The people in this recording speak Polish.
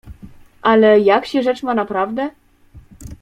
"Ale, jak się rzecz ma naprawdę?"